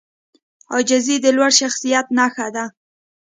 عاجزي د لوړ شخصیت نښه ده.